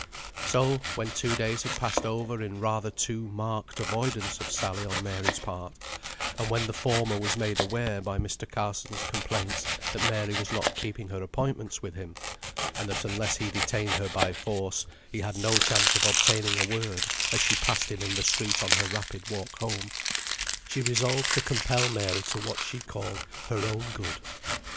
So, when two days had passed over in rather too marked avoidance of Sally on Mary's part, and when the former was made aware by Mr. Carson's complaints that Mary was not keeping her appointments with him, and that unless he detained her by force, he had no chance of obtaining a word as she passed him in the street on her rapid walk home, she resolved to compel Mary to what she called her own good.